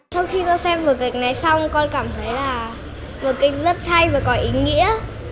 sau khi con xem vở kịch này xong con cảm thấy là một kinh rất hay và có ý nghĩa